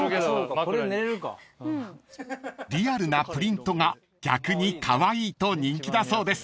［リアルなプリントが逆にカワイイと人気だそうです］